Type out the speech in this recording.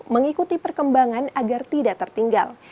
mengikuti perkembangan agar tidak tertinggal